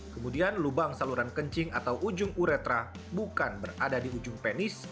kemudian lubang saluran kencing atau ujung uretra bukan berada di ujung penis